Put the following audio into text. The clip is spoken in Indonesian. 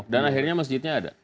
dan akhirnya masjidnya ada